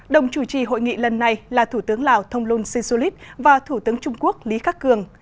đồng chủ trì hội nghị lần này là thủ tướng lào thông luân si su lít và thủ tướng trung quốc lý khắc cường